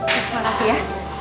terima kasih ya